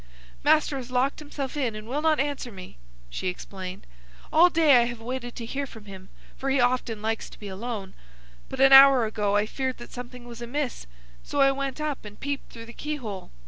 "Master has locked himself in and will not answer me," she explained. "All day I have waited to hear from him, for he often likes to be alone; but an hour ago I feared that something was amiss, so I went up and peeped through the key hole.